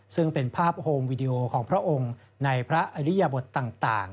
ซึ่งเป็นภาพโฮมวิดีโอของพระองค์ในพระอริยบทต่าง